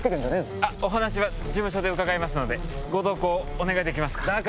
お話は事務所で伺いますのでご同行お願いできますか。